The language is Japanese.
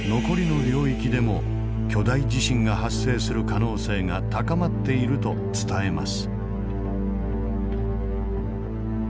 その後巨大地震が発生する可能性が高まっていると伝えます。